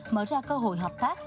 mở ra cơ hội hợp tác